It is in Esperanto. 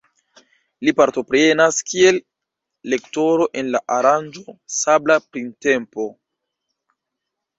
Li partoprenas kiel lektoro en la aranĝo Sabla Printempo.